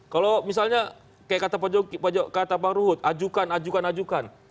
kalau misalnya kayak kata pak ruhut ajukan ajukan ajukan